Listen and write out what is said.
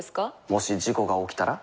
もし事故が起きたら？